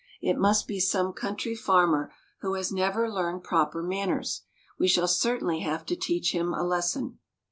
It must be some country farmer who has never learned proper manners. We shall certainly have to teach him a lesson."